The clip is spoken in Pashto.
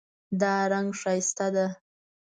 دا رنګ ښایسته ده